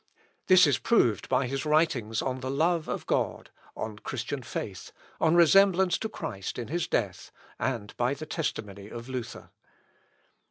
This is proved by his writings on the love of God, on Christian faith, on resemblance to Christ in his death, and by the testimony of Luther.